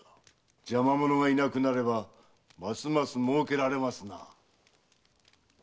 邪魔者がいなくなればますます儲けられますな。